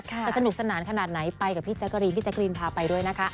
สนุกสนานขนาดไหนไปกับพี่แจ๊กกรีนพี่แจ๊กรีนพาไปด้วยนะคะ